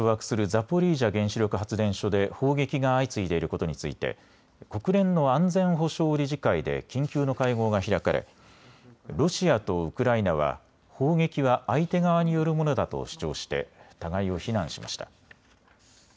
ザポリージャ原子力発電所で砲撃が相次いでいることについて国連の安全保障理事会で緊急の会合が開かれロシアとウクライナは砲撃は相手側によるものだと主張して互いを非難しました。